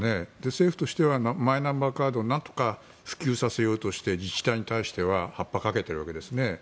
政府としてはマイナンバーカードをなんとか普及させようとして自治体に対しては発破をかけているわけですね。